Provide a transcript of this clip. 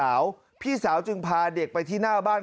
เมื่อกี้มันร้องพักเดียวเลย